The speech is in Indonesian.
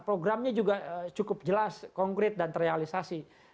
programnya juga cukup jelas konkret dan terrealisasi